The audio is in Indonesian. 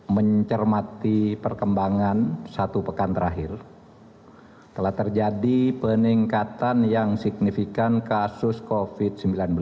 mencermati perkembangan satu pekan terakhir telah terjadi peningkatan yang signifikan kasus covid sembilan belas